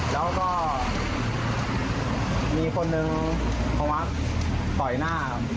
แล้วก็มีคนหนึ่งคำว่าต่อยหน้า